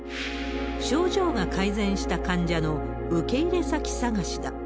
症状が改善した患者の受け入れ先探しだ。